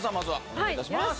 お願いいたします。